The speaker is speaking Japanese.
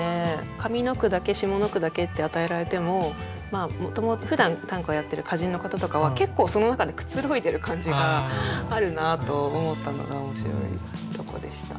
上の句だけ下の句だけって与えられてもふだん短歌をやってる歌人の方とかは結構その中でくつろいでる感じがあるなと思ったのが面白いとこでした。